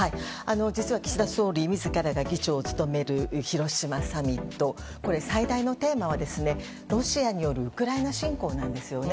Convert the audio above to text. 実は岸田総理自らが議長を務める広島サミット最大のテーマはロシアによるウクライナ侵攻なんですよね。